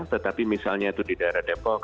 tetapi misalnya itu di daerah depok